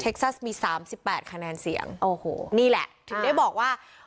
ซัสมีสามสิบแปดคะแนนเสียงโอ้โหนี่แหละถึงได้บอกว่า